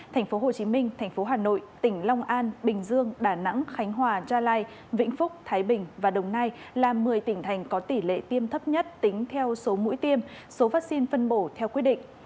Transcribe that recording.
tp hcm thành phố hà nội tỉnh long an bình dương đà nẵng khánh hòa gia lai vĩnh phúc thái bình và đồng nai là một mươi tỉnh thành có tỷ lệ tiêm thấp nhất tính theo số mũi tiêm số vaccine phân bổ theo quyết định